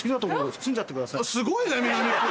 すごいね南区。